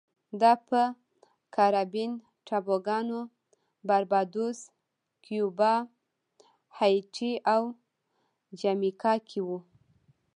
دا په کارابین ټاپوګانو باربادوس، کیوبا، هایټي او جامیکا کې و